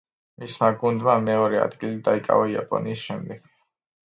მისმა გუნდმა მეორე ადგილი დაიკავა, იაპონიის შემდეგ.